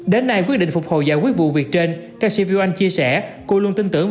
đến nay quyết định phục hồi giải quyết vụ việc trên ca sĩ viu anh chia sẻ cô luôn tin tưởng